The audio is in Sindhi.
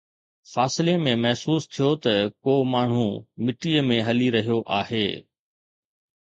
فاصلي ۾ محسوس ٿيو ته ڪو ماڻهو مٽيءَ ۾ هلي رهيو آهي.